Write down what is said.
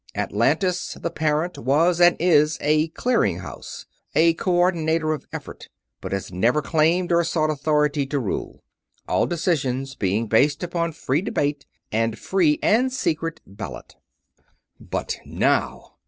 Atlantis, the parent, was and is a clearing house, a co ordinator of effort, but has never claimed or sought authority to rule; all decisions being based upon free debate and free and secret ballot. "But now!